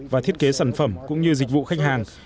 và thiết kế sản phẩm cũng như dịch vụ khách hàng